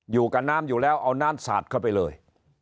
อยู่กับน้ำอยู่แล้วเอาน้ำสาดเข้าไปเลย